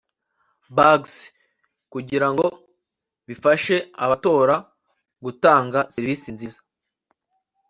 Bags) kugira ngo bifashe abatora gutanga serivisi nziza